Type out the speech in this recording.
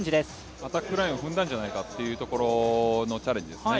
アタックラインを踏んだんじゃないかというところのチャレンジですね。